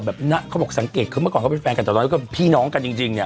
เขาบอกสังเกตคือเมื่อก่อนเขาเป็นแฟนกันต่อน้อยก็พี่น้องกันจริงเนี่ย